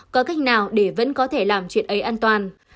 có cách nào để vẫn có thể làm chuyện ấy an toàn